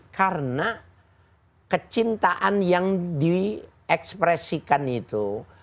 karena kecintaan yang diekspresikan itu